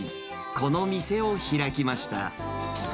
この店を開きました。